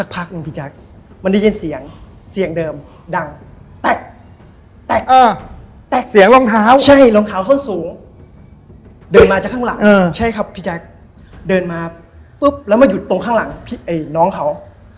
ผมคิดในใจว่า